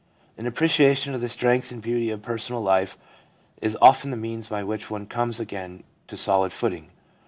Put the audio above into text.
An appreciation of the strength and beauty of personal life is often the means by which one comes again to a solid footing.